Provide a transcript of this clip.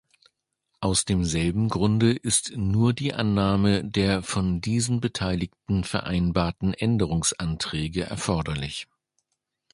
Aus demselben Grunde ist nur die Annahme der von diesen Beteiligten vereinbarten Änderungsanträge erforderlich.